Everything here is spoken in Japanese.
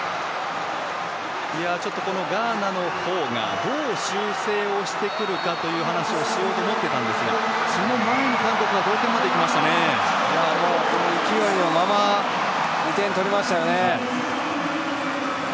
ガーナの方がどう修正をしてくるかという話をしようと思っていたんですがその前に韓国がこの勢いのまま２点取りましたよね。